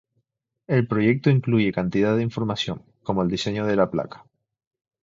El proyecto incluye cantidad de información, como el diseño de la placa.